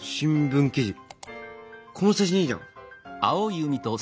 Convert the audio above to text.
この写真いいじゃん。